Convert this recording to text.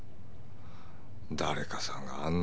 誰かさんがあんな